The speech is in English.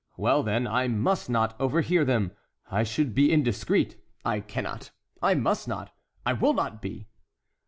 Well, then, I must not overhear them; I should be indiscreet—I cannot—I must not—I will not be!"